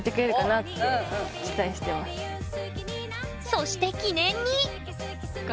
そして記念に！